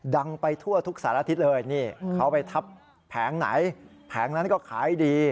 ดังไปทั่วทุกสารอาทิตย์เลยนี่เขาไปทับแผงไหนแผงนั้นก็ขายดี